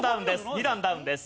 ２段ダウンです。